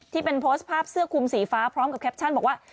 ที่เป็นโพสต์ภาพเสื้อคุมสีฟ้าพร้อมกับแคปชั่นบอกว่า